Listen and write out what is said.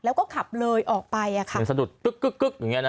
แล้วก็ขับเลยออกไปอ่ะค่ะมันสะดุดตึ๊กอย่างเงี้นะ